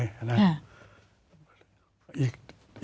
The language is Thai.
อีกมุมนึงก็คือฝ่ายที่ถูกกระทำ